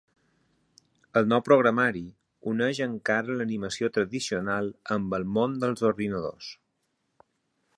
El nou programari uneix encara l'animació tradicional amb el món dels ordinadors.